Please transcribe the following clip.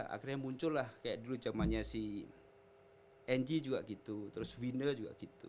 akhirnya muncul lah kayak dulu zamannya si engi juga gitu terus wina juga gitu